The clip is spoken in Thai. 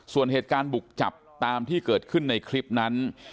ส่วนเหตุการณ์บุกจับตามที่เกิดขึ้นในคลิปนั้น